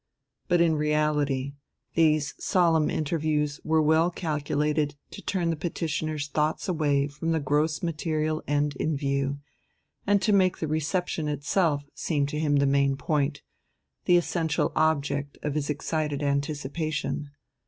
But in reality these solemn interviews were well calculated to turn the petitioner's thoughts away from the gross material end in view, and to make the reception itself seem to him the main point, the essential object of his excited anticipation.